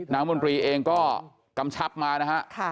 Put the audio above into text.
มนตรีเองก็กำชับมานะฮะ